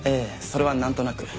それはなんとなく。